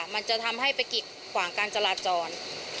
มันจะทำให้ไปกิดไหว่กว่าการจราจร